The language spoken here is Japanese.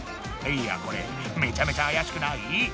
いやこれめちゃめちゃあやしくない？